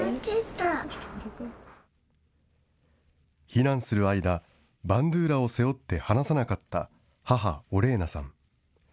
避難する間、バンドゥーラを背負って離さなかった母、オレーナさん。